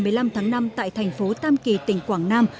hôm nay là ngày một mươi năm tháng năm tại thành phố tam kỳ tỉnh quảng nam